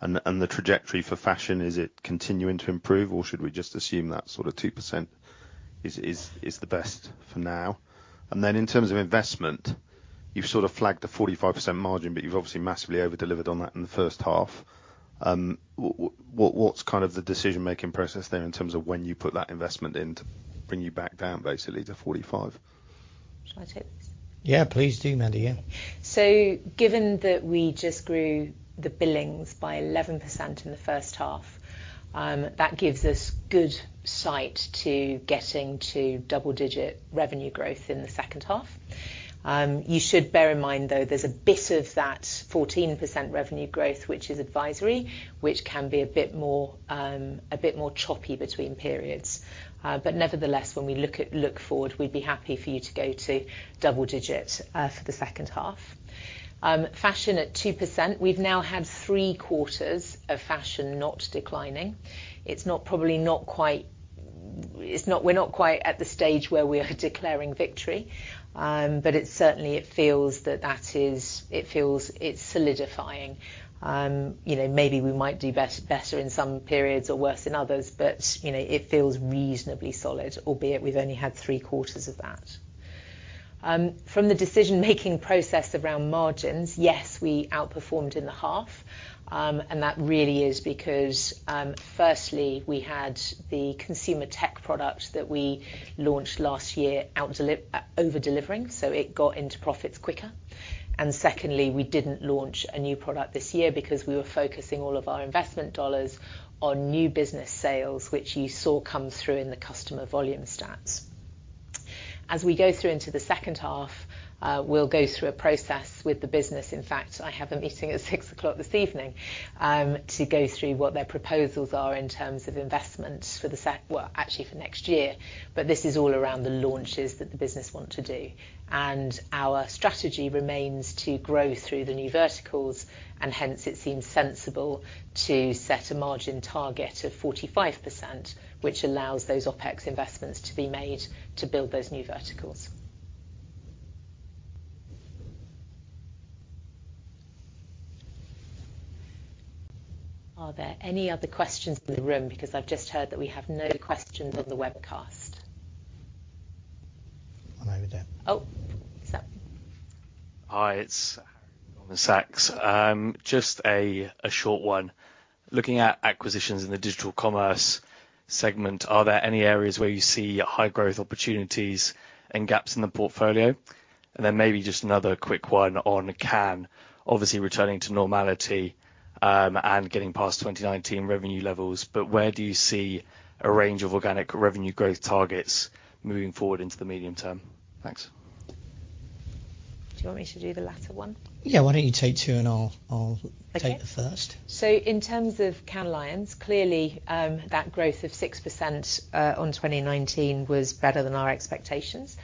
The trajectory for fashion, is it continuing to improve or should we just assume that sort of 2% is the best for now? Then in terms of investment, you've sort of flagged a 45% margin, but you've obviously massively over-delivered on that in the first half. What's kind of the decision-making process there in terms of when you put that investment in to bring you back down basically to 45%? Shall I take this? Yeah, please do, Mandy. Given that we just grew the billings by 11% in the first half, that gives us good sight to getting to double-digit revenue growth in the second half. You should bear in mind though, there's a bit of that 14% revenue growth, which is advisory, which can be a bit more choppy between periods. But nevertheless, when we look forward, we'd be happy for you to go to double digits for the second half. Fashion at 2%, we've now had three quarters of fashion not declining. It's not quite at the stage where we are declaring victory. But it certainly feels that it is solidifying. You know, maybe we might do better in some periods or worse in others, but, you know, it feels reasonably solid, albeit we've only had 3 quarters of that. From the decision-making process around margins, yes, we outperformed in the half. That really is because, firstly, we had the consumer tech product that we launched last year over-delivering, so it got into profits quicker. Secondly, we didn't launch a new product this year because we were focusing all of our investment dollars on new business sales, which you saw come through in the customer volume stats. As we go through into the second half, we'll go through a process with the business. In fact, I have a meeting at 6:00 P.M. this evening to go through what their proposals are in terms of investments for next year. This is all around the launches that the business want to do. Our strategy remains to grow through the new verticals, and hence it seems sensible to set a margin target of 45%, which allows those OpEx investments to be made to build those new verticals. Are there any other questions in the room? Because I've just heard that we have no questions on the webcast. Well, maybe then. Oh, what's up? Hi, it's Hari from Goldman Sachs. Just a short one. Looking at acquisitions in the digital commerce segment, are there any areas where you see high growth opportunities and gaps in the portfolio? Then maybe just another quick one on Cannes, obviously returning to normality and getting past 2019 revenue levels, but where do you see a range of organic revenue growth targets moving forward into the medium term? Thanks. Do you want me to do the latter one? Yeah, why don't you take two and I'll- Okay. Take the first. In terms of Cannes Lions, clearly, that growth of 6% on 2019 was better than our expectations.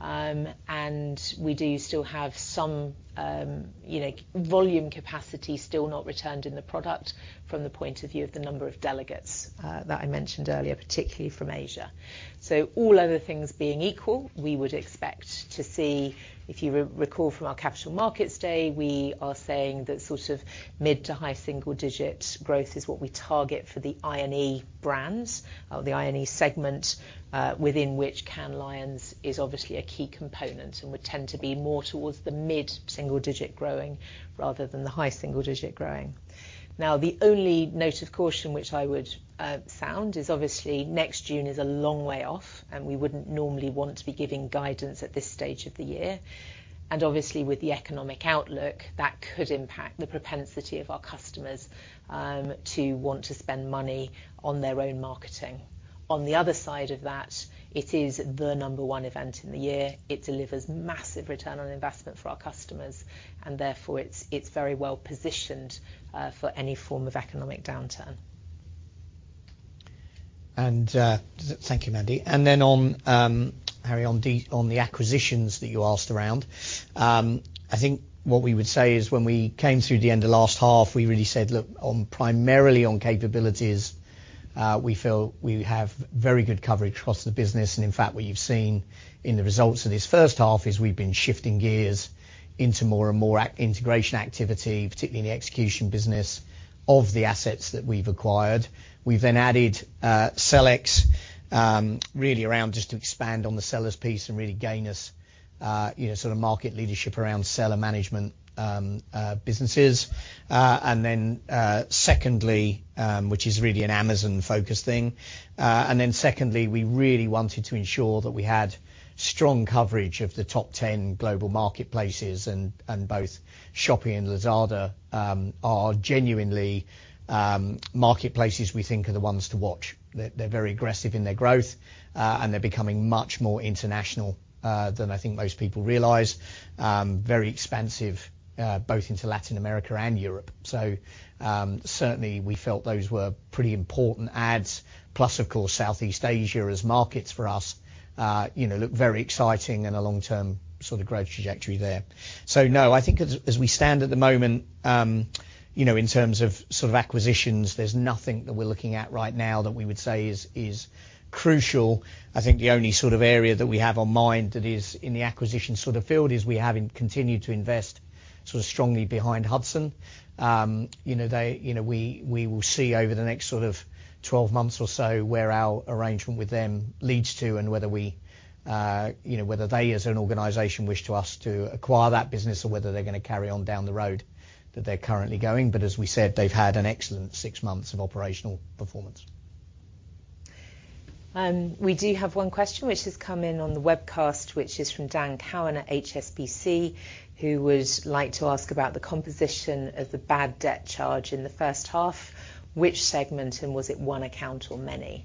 We do still have some, you know, volume capacity still not returned in the product from the point of view of the number of delegates that I mentioned earlier, particularly from Asia. All other things being equal, we would expect to see, if you recall from our capital markets day, we are saying that sort of mid- to high-single-digit growth is what we target for the I&E brands or the I&E segment, within which Cannes Lions is obviously a key component and would tend to be more towards the mid-single-digit growing rather than the high-single-digit growing. Now, the only note of caution which I would sound is obviously next June is a long way off, and we wouldn't normally want to be giving guidance at this stage of the year. Obviously with the economic outlook, that could impact the propensity of our customers to want to spend money on their own marketing. On the other side of that, it is the number one event in the year. It delivers massive return on investment for our customers, and therefore it's very well positioned for any form of economic downturn. Thank you, Mandy. Then on Hari, on the acquisitions that you asked about. I think what we would say is when we came through the end of last half, we really said, "Look, primarily on capabilities, we feel we have very good coverage across the business." In fact, what you've seen in the results of this first half is we've been shifting gears into more and more integration activity, particularly in the execution business of the assets that we've acquired. We've then added Sellics, really around just to expand on the sellers piece and really gain us, you know, sort of market leadership around seller management businesses. Secondly, which is really an Amazon focus thing. Secondly, we really wanted to ensure that we had strong coverage of the top 10 global marketplaces and both Shopee and Lazada are genuinely marketplaces we think are the ones to watch. They're very aggressive in their growth and they're becoming much more international than I think most people realize. Very expansive, both into Latin America and Europe. Certainly we felt those were pretty important adds, plus of course, Southeast Asia as markets for us, you know, look very exciting and a long-term sort of growth trajectory there. No, I think as we stand at the moment, you know, in terms of sort of acquisitions, there's nothing that we're looking at right now that we would say is crucial. I think the only sort of area that we have on mind that is in the acquisition sort of field is we have been continuing to invest sort of strongly behind Hudson. You know, they, you know, we will see over the next sort of 12 months or so where our arrangement with them leads to and whether you know, they as an organization wish us to acquire that business or whether they're gonna carry on down the road that they're currently going. As we said, they've had an excellent 6 months of operational performance. We do have one question which has come in on the webcast, which is from Dan Cowan at HSBC, who would like to ask about the composition of the bad debt charge in the first half, which segment, and was it one account or many?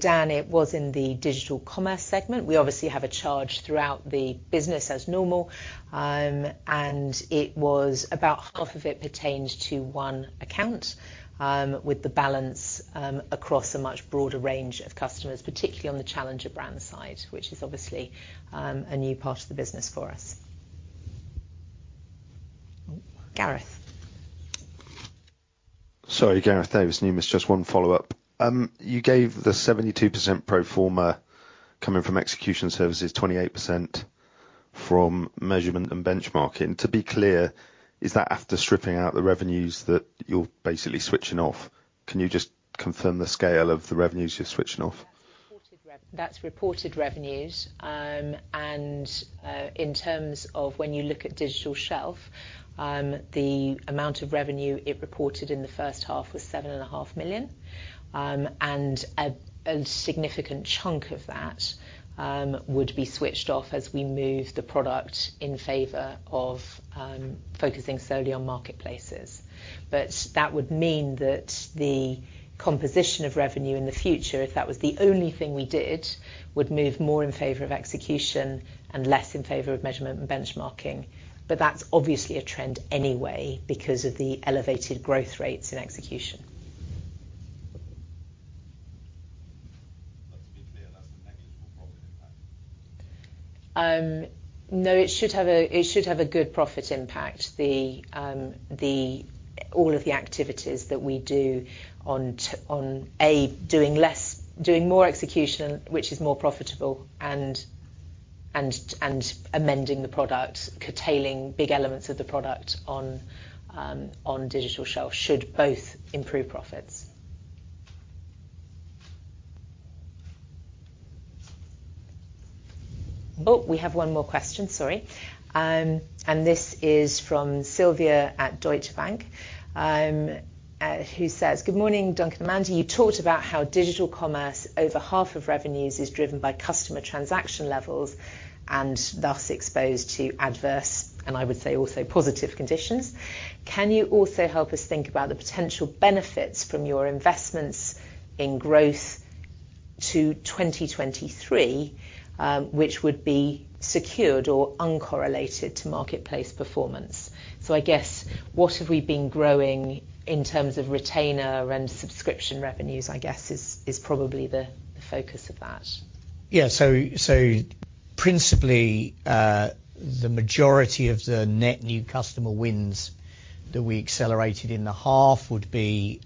Dan, it was in the digital commerce segment. We obviously have a charge throughout the business as normal. It was about half of it pertained to one account, with the balance across a much broader range of customers, particularly on the Challenger brand side, which is obviously a new part of the business for us. Gareth. Sorry, Gareth Davies, Numis. Just one follow-up. You gave the 72% pro forma coming from execution services, 28% from measurement and benchmarking. To be clear, is that after stripping out the revenues that you're basically switching off? Can you just confirm the scale of the revenues you're switching off? That's reported revenues. In terms of when you look at Digital Shelf, the amount of revenue it reported in the first half was 7.5 million. A significant chunk of that would be switched off as we move the product in favor of focusing solely on marketplaces. That would mean that the composition of revenue in the future, if that was the only thing we did, would move more in favor of execution and less in favor of measurement and benchmarking. That's obviously a trend anyway because of the elevated growth rates in execution. To be clear, that's a negligible profit impact. No, it should have a good profit impact. All of the activities that we do on Amazon, doing more execution, which is more profitable and amending the product, curtailing big elements of the product on Digital Shelf, should both improve profits. Oh, we have one more question, sorry. This is from Silvia at Deutsche Bank, who says, "Good morning, Duncan and Mandy. You talked about how digital commerce, over half of revenues, is driven by customer transaction levels and thus exposed to adverse," and I would say also positive, "conditions. Can you also help us think about the potential benefits from your investments in growth to 2023, which would be secured or uncorrelated to marketplace performance? I guess what have we been growing in terms of retainer and subscription revenues, I guess is probably the focus of that. Principally, the majority of the net new customer wins that we accelerated in the half would be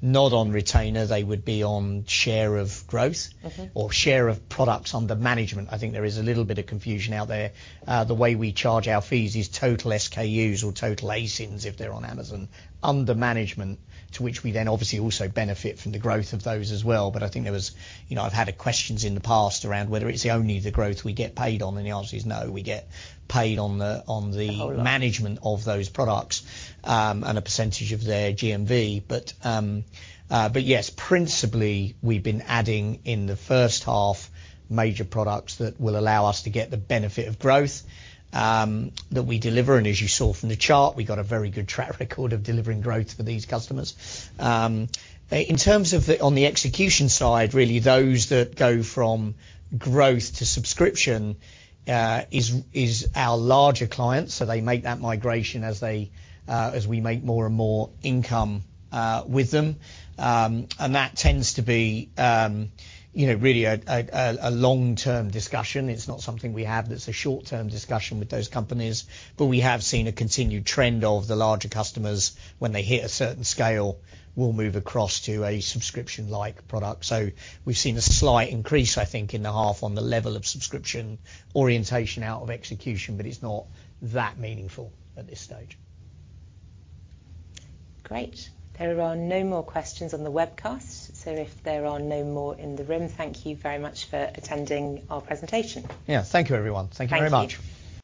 not on retainer. They would be on share of growth- Mm-hmm ...or share of products under management. I think there is a little bit of confusion out there. The way we charge our fees is total SKUs or total ASINs, if they're on Amazon, under management, to which we then obviously also benefit from the growth of those as well. I think there was, you know, I've had questions in the past around whether it's only the growth we get paid on, and the answer is no. We get paid on the. Whole lot. ...management of those products, and a percentage of their GMV. But yes, principally, we've been adding in the first half major products that will allow us to get the benefit of growth that we deliver. As you saw from the chart, we got a very good track record of delivering growth for these customers. On the execution side, really those that go from growth to subscription is our larger clients. They make that migration as they, as we make more and more income with them. That tends to be, you know, really a long-term discussion. It's not something we have that's a short-term discussion with those companies. We have seen a continued trend of the larger customers, when they hit a certain scale, will move across to a subscription-like product. We've seen a slight increase, I think, in the half on the level of subscription orientation out of execution, but it's not that meaningful at this stage. Great. There are no more questions on the webcast, so if there are no more in the room, thank you very much for attending our presentation. Yeah. Thank you everyone. Thank you very much.